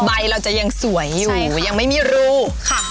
ใบเราจะยังสวยอยู่ยังไม่มีรูค่ะ